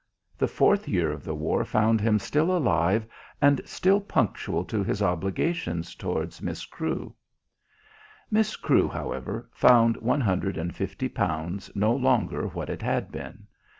The fourth year of the war found him still alive and still punctual to his obligations towards Miss Crewe. Miss Crewe, however, found one hundred and fifty pounds no longer what it had been.